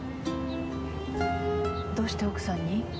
どうして奥さんに？